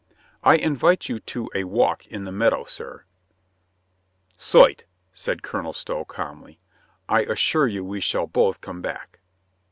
"I invite you to a walk in the meadow, sir." "Soit," said Colonel Stow calmly. "I assure you we shall both come back."